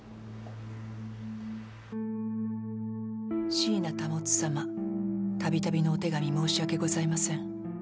椎名保様度々のお手紙申し訳ございません。